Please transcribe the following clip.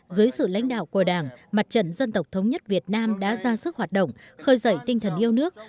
dưới sự lãnh đạo của đảng mặt trận dân tộc thống nhất việt nam đã ra sức hoạt động khơi dậy tinh thần yêu nước